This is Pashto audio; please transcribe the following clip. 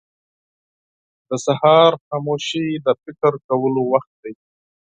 • د سهار خاموشي د فکر کولو وخت دی.